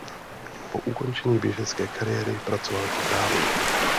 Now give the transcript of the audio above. Po ukončení běžecké kariéry pracoval jako právník.